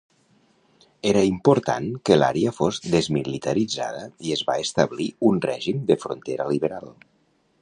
Era important que l'àrea fos desmilitaritzada i es va establir un règim de frontera liberal.